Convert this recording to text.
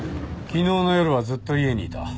昨日の夜はずっと家にいた。